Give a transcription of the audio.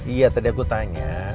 iya tadi aku tanya